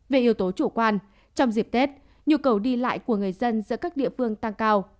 về yếu tố chủ quan trong dịp tết nhu cầu đi lại của người dân giữa các địa phương tăng cao